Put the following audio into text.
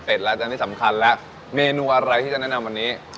แล้วตอนนี้สำคัญแล้วเมนูอะไรที่จะแนะนำวันนี้